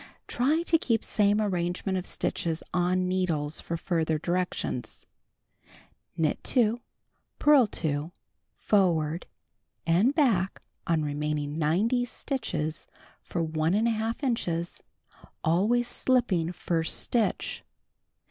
(Try to keep same arrangement of stitches on needles for further directions.) Knit 2, purl 2 forward and back on remaining 90 stitches for Ih inches, always slipping first stitch.